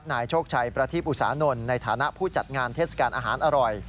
นายโชคชัยประทีปอุสานนท์ในฐานะผู้จัดงานเทศกาลอาหารอร่อย